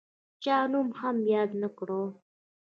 چا نوم هم یاد نه کړ.